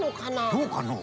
どうかのう？